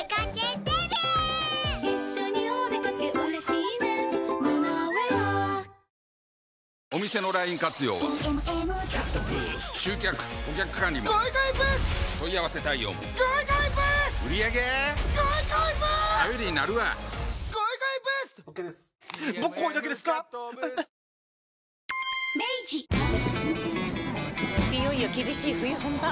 いよいよ厳しい冬本番。